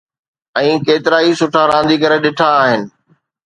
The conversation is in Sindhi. ۽ ڪيترائي سٺا رانديگر ڏنا آهن.